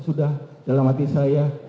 sudah dalam hati saya